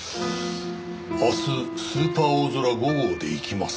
「明日スーパーおおぞら５号で行きます」